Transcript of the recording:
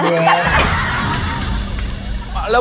เอาล่ะ